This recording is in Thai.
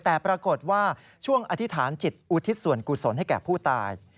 แต่ปรากฏว่าช่วงอธิษฐานจิตอุทิศส่วนกุศลให้แก่ผู้ตาย